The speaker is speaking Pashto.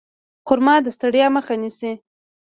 خرما د ستړیا مخه نیسي.